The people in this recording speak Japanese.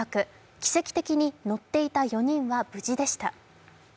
奇跡的に乗っていた４人は無事でした。